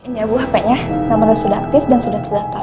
ini ya bu hpnya nomernya sudah aktif dan sudah terdaftar